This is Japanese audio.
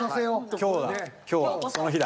今日がその日だ。